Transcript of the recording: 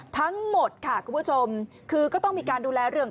ทั้งหมดค่ะคุณผู้ชมคือก็ต้องมีการดูแลเรื่อง